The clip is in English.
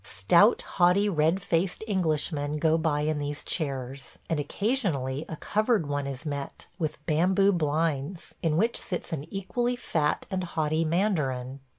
Stout, haughty, red faced Englishmen go by in these chairs, and occasionally a covered one is met, with bamboo blinds, in which sits an equally fat and haughty mandarin.